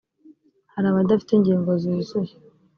hari abadafite ingingo zuzuye